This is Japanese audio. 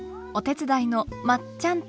お手伝いのまっちゃ